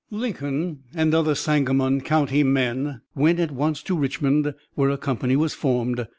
Lincoln and other Sangamon County men went at once to Richmond where a company was formed.